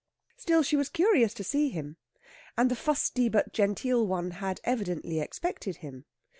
Still, she was curious to see him, and the fusty but genteel one had evidently expected him.